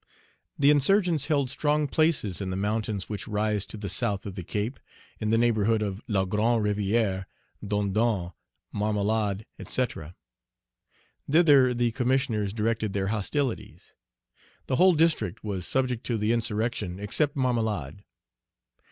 The insurgents held strong places in the mountains which rise to the south of the Cape, in the neighborhood of La Grande Rivière, Dondon, Marmelade, &c. Thither the Commissioners directed their hostilities. The whole district was subject to the insurrection, except Marmelade.